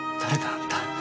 あんた。